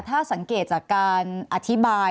ถ้าสังเกตจากการอธิบาย